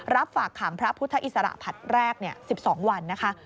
ฝากขังพระพุทธอิสระผัดแรก๑๒วันนะคะ